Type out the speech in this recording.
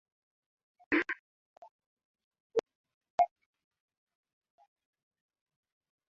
Jacob alijawa na mshituko ilihali alionekana kuijua ile namba